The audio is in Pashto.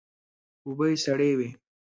اوبه یې سړې وې.